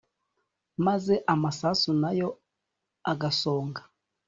maze amasasu nayo agasonga